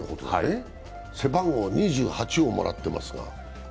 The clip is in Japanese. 背番号２８をもらってますが？